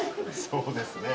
そうですね